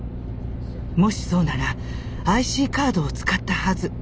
もしそうならＩＣカードを使ったはず。